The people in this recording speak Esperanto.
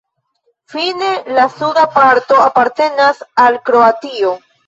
Fine la suda parto apartenas al Kroatio.